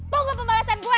tunggu pembalasan gue